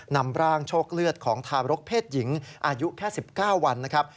นำร่างโชคเลือดของทารกเพศหญิงอายุแค่๑๙วันนะครับ